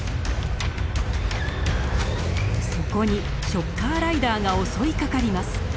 そこにショッカーライダーが襲いかかります。